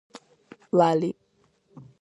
ლალი